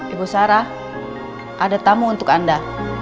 ibu sarah ada tamu untuk anda